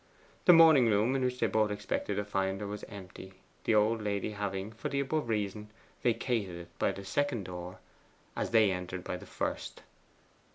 The morning room, in which they both expected to find her, was empty; the old lady having, for the above reason, vacated it by the second door as they entered by the first.